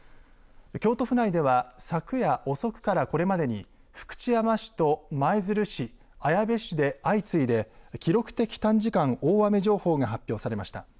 京都府内では昨夜遅くから、これまでに福知山市と舞鶴市、綾部市で相次いで記録的短時間大雨情報が発表されました。